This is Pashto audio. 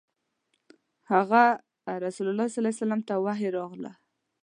هغه ﷺ ته وحی راغله.